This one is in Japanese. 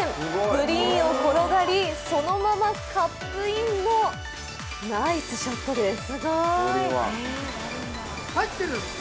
グリーンを転がり、そのままカップインのナイスショットです。